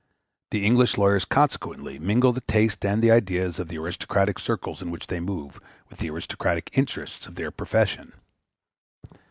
The English lawyers consequently mingle the taste and the ideas of the aristocratic circles in which they move with the aristocratic interests of their profession.